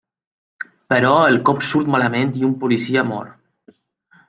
Però el cop surt malament i un policia mor.